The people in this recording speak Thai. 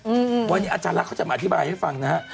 อืมวันนี้อาจารย์ลักษ์เขาจะมาอธิบายให้ฟังนะฮะ